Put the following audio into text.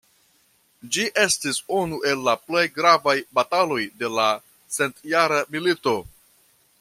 Ĝi estis unu el la plej gravaj bataloj de la Centjara Milito.